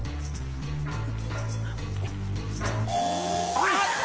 あっ！